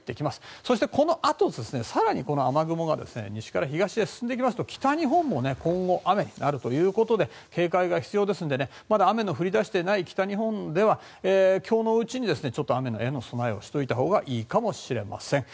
そしてこのあと更にこの雨雲が西から東へ進んでいきますと北日本も今後、雨になるということで警戒が必要ですのでまだ、雨の降り出していない北日本では今日のうちに雨への備えをしておいたほうがいいかもしれません。